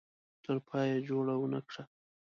تر پایه یې جوړه ونه کړه.